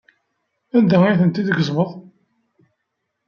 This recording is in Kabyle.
Anda ay tent-id-tgezmeḍ?